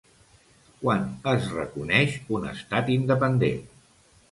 Quan es reconeix un estat independent?